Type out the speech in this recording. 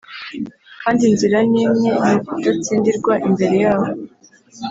kandi inzira ni imwe ni ukudatsindirwa imbere yabo